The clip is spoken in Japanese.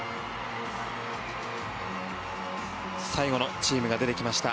最後のチームが出てきました。